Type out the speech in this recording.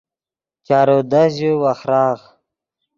چارو دست ژے وخراغ